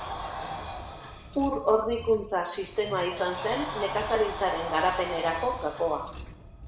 Ur hornikuntza sistema izan zen nekazaritzaren garapenerako gakoa.